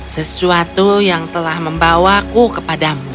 sesuatu yang telah membawaku kepadamu